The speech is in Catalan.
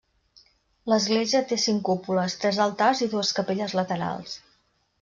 L'església té cinc cúpules, tres altars i dues capelles laterals.